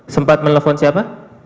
sempat menelpon siapa